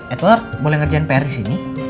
edward boleh ngerjain pr disini